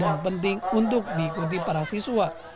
dan kegiatan ini juga berpengaruh bagi para siswa